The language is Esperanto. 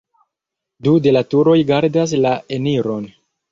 Du de la turoj gardas la eniron.